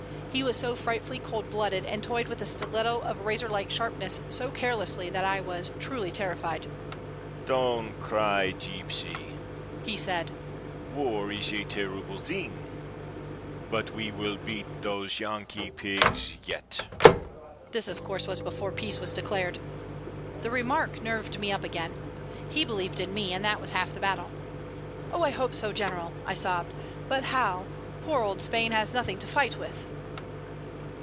He was so frightfully cold blooded, and toyed with a stiletto of razor like sharpness so carelessly that I was truly terrified. "Don't cry, Gypsy," he said. "War is a terrible thing, but we will beat those Yankee pigs yet." This, of course, was before peace was declared. The remark nerved me up again. He believed in me, and that was half the battle. "Oh, I hope so, General," I sobbed. "But how? Poor old Spain has nothing to fight with."